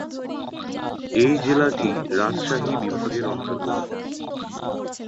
এই জেলাটি রাজশাহী বিভাগের অন্তর্গত।